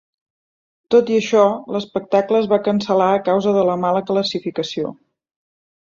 Tot i això, l'espectacle es va cancel·lar a causa de la mala classificació.